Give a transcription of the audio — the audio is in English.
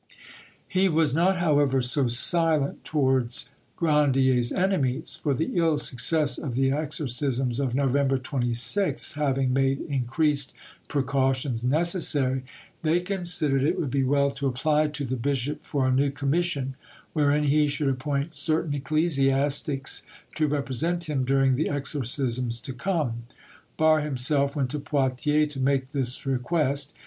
He was not, however, so silent towards Grandier's enemies; for the ill success of the exorcisms of November 26th having made increased precautions necessary, they considered it would be well to apply to the bishop for a new commission, wherein he should appoint certain ecclesiastics to represent him during the exorcisms to come. Barre himself went to Poitiers to make this request.